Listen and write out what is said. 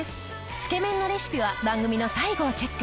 つけ麺のレシピは番組の最後をチェック！